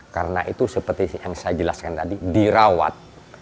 karena itu seperti yang saya jelaskan tadi dirawat